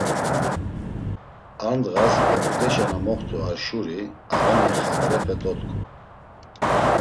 Ar ndğas oput̆eşa na moxt̆u ar şuri ağani xaberepe dot̆ǩu.